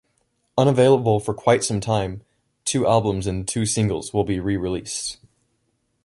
Unavailable for quite some time, two albums and two singles will be re-released.